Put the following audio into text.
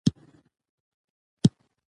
ازادي راډیو د هنر په اړه پراخ بحثونه جوړ کړي.